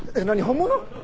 何本物？